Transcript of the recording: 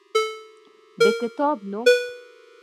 د کتاب نوم: